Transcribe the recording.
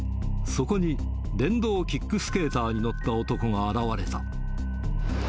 そこに、電動キックスケーターに乗った男が現れた。